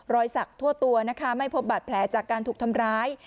สักทั่วตัวนะคะไม่พบบาดแผลจากการถูกทำร้าย